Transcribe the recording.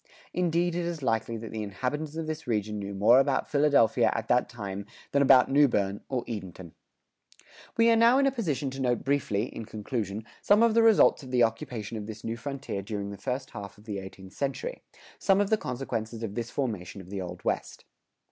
"Indeed it is likely that the inhabitants of this region knew more about Philadelphia at that time than about Newbern or Edenton."[106:3] We are now in a position to note briefly, in conclusion, some of the results of the occupation of this new frontier during the first half of the eighteenth century some of the consequences of this formation of the Old West.